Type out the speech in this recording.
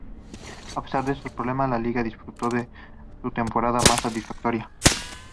A pesar de estos problemas, la liga disfrutó de su temporada más satisfactoria.